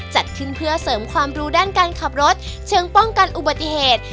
จัดขึ้นเพื่อเสริมความรู้ด้านการขับรถเชิงป้องกันอุบัติเหตุ